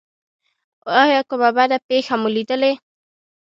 ایا کومه بده پیښه مو لیدلې؟